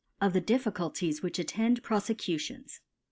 Of the Difficulties which attend Profe cutions.